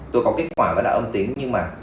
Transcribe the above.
tôi có kết quả và đã âm tính nhưng mà